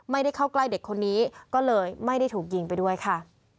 ไม่ได้เข้าใกล้เด็กคนนี้ก็เลยไม่ได้ถูกยิงไปด้วยค่ะ